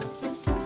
jadi susah mau main